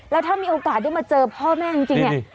แล้วถ้ามีโอกาสได้มาเจอพ่อแม่จริงเนี่ย